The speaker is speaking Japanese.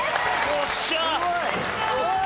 よっしゃー。